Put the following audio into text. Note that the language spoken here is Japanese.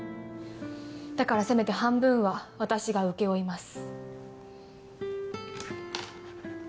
だからせめて半分は私が請け負います。